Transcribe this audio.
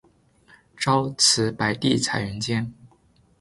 朝辞白帝彩云间